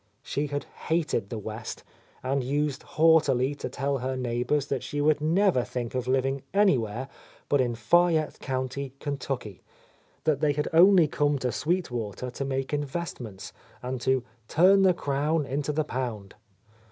She had hated the West, and used haughtily to tell her neighbours that she would never think of liv ing anywhere but in Fayette county, Kentucky; that they had only come to Sweet Water to make investments and to "turn the crown into the pound."